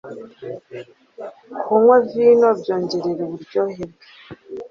Kunywa vino byongereye uburyohe bwe.